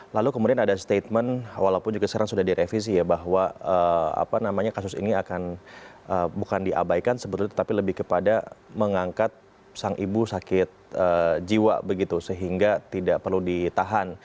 lalu kemudian ada statement walaupun juga sekarang sudah direvisi ya bahwa kasus ini akan bukan diabaikan sebetulnya tetapi lebih kepada mengangkat sang ibu sakit jiwa begitu sehingga tidak perlu ditahan